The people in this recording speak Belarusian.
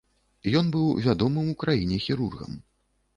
Ён быў вядомым у краіне хірургам.